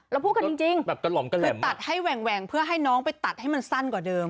เราพูดกันจริงคือตัดให้แหว่งเพื่อให้น้องไปตัดให้มันสั้นกว่าเดิม